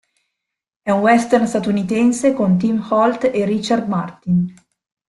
È un western statunitense con Tim Holt e Richard Martin.